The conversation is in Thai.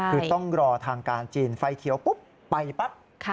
คือต้องรอทางการจีนไฟเขียวปุ๊บไปปั๊บ